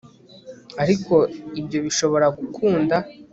ariko ibyo bishobora gukunda